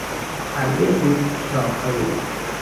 حربهی قوچ شاخهای اوست.